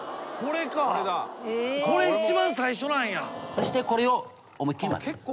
「そしてこれを思いっ切りまぜます」